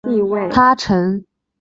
他成为一个步大力雄的中场球员。